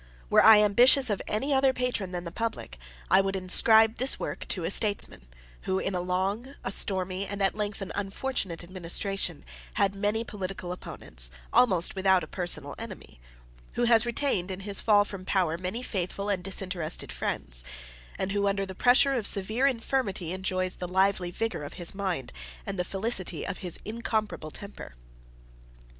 Were I ambitious of any other Patron than the Public, I would inscribe this work to a Statesman, who, in a long, a stormy, and at length an unfortunate administration, had many political opponents, almost without a personal enemy; who has retained, in his fall from power, many faithful and disinterested friends; and who, under the pressure of severe infirmity, enjoys the lively vigor of his mind, and the felicity of his incomparable temper.